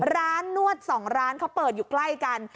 ร้านนวดสองร้านเขาเปิดอยู่ใกล้กัน